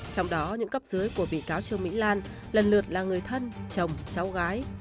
trong đó những cấp dưới của bị cáo trương mỹ lan lần lượt là người thân chồng cháu gái